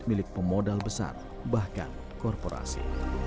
milik pemodal besar bahkan korporasi